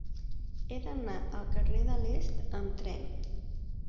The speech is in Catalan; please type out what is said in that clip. He d'anar al carrer de l'Est amb tren.